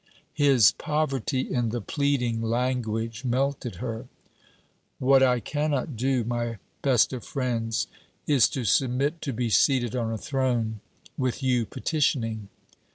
His poverty in the pleading language melted her. 'What I cannot do, my best of friends, is to submit to be seated on a throne, with you petitioning.